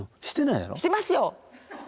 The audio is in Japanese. してますよ！